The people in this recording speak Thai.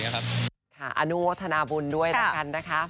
ค่ะอนุทนาบุญด้วยนะครับ